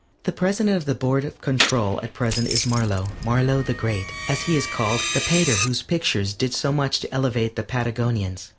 The President of the Board of Control at present is Marlow, Marlow the Great, as he is called, the painter whose pictures did so much to elevate the Patagonians.